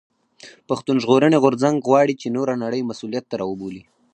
پښتون ژغورني غورځنګ غواړي چې نوره نړۍ مسؤليت ته راوبولي.